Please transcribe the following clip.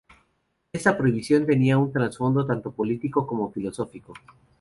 Esta prohibición tenía un trasfondo tanto político como filosófico.